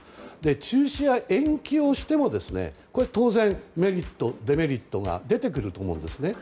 中止や延期をしても当然メリット、デメリットが出てくると思うんですね。